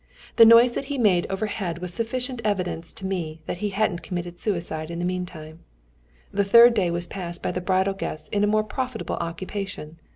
The noise that he made over head was sufficient evidence to me that he hadn't committed suicide in the meantime. The third day was passed by the bridal guests in a more profitable occupation.